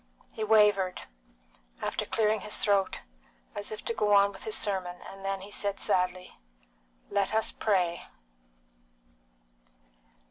He wavered, after clearing his throat, as if to go on with his sermon, and then he said sadly, "Let us pray!"